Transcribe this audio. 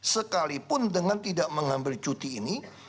sekalipun dengan tidak mengambil cuti ini